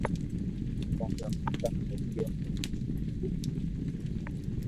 ڪونڪ ھون تنگ ھوئي گيو ھون